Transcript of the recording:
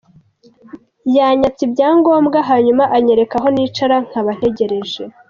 Yanyatse ibyangombwa, hanyuma anyereka aho nicara nkaba ntegereje.